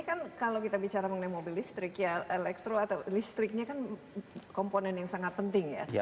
ini kan kalau kita bicara mengenai mobil listrik ya elektro atau listriknya kan komponen yang sangat penting ya